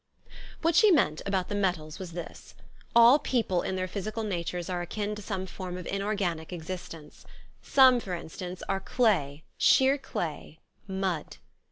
What she meant about the metals was this. All people in their plrysical natures are akin to some form of inorganic existence. Some, for instance, are clay, sheer clay, mud.